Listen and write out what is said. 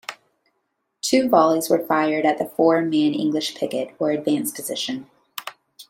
Two volleys were fired at the four-man English picket, or advance position.